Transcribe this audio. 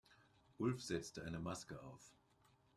Ulf setzte eine Maske auf.